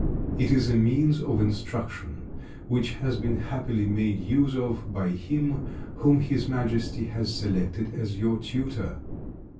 It is a means of instruction which has been happily made use of by him whom His Majesty has selected as your tutor.